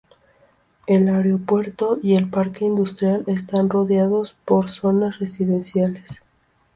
El aeropuerto y el parque industrial están rodeados por zonas residenciales.